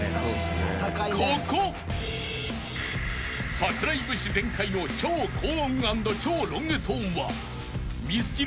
［桜井節全開の超高音＆超ロングトーンはミスチル